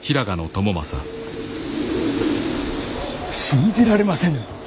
信じられませぬ。